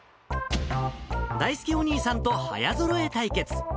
だいすけお兄さんと早ぞろえ対決。